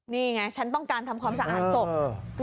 นี่ไงฉันต้องการทำความสะอาดศพ